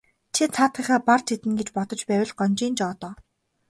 Чи цаадхыгаа барж иднэ гэж бодож байвал гонжийн жоо доо.